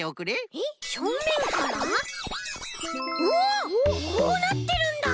うわこうなってるんだ！